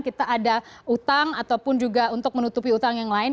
kita ada utang ataupun juga untuk menutupi utang yang lain